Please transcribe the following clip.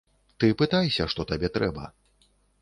Ты пытайся, што табе трэба.